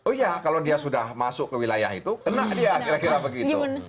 oh iya kalau dia sudah masuk ke wilayah itu kena dia kira kira begitu